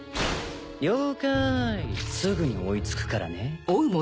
了解すぐに追いつくからね。